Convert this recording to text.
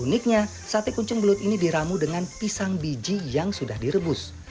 uniknya sate kuncung belut ini diramu dengan pisang biji yang sudah direbus